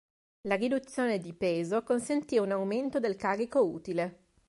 La riduzione di peso, consentì un aumento del carico utile.